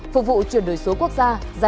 phục vụ truyền đổi số quốc gia